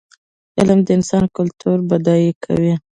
علم د انسان کلتور بډای کوي.